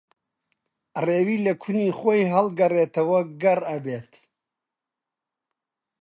ڕێوی لە کونی خۆی ھەڵگەڕێتەوە گەڕ ئەبێت